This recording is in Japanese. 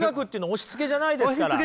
押しつけじゃないですから。